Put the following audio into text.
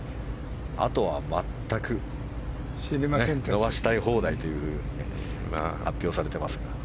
あとは全く伸ばしたい放題と発表されていますが。